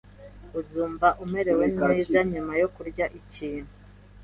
Uzumva umerewe neza nyuma yo kurya ikintu.